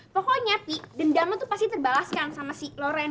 pokoknya pi dendamnya tuh pasti terbalas kan sama si loren